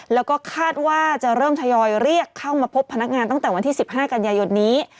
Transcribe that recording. แล้วก็คาดว่าจะเริ่มทยอยเรียกเข้ามาพบพนักงานตั้งแต่วันที่๑๕กันยายนนี้